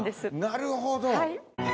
なるほど。